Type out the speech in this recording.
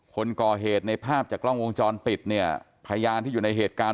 คนก่อเหตุในภาพจากกล้องวงจรปิดเนี่ยพยานที่อยู่ในเหตุการณ์